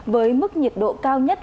với mức nhiệt độ cao nhất